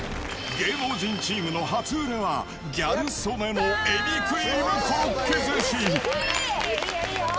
芸能人チームの初売れは、ギャル曽根のエビクリームコロッケ寿司。